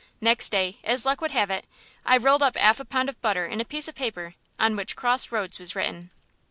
Next day, as luck would have it, I rolled up 'alf a pound of butter in a piece of paper on which 'Cross Roads' was written."